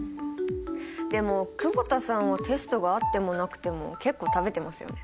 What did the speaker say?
でも久保田さんはテストがあってもなくても結構食べてますよね。